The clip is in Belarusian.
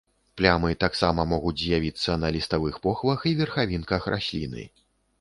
Плямы таксама могуць з'явіцца на ліставых похвах і верхавінках расліны.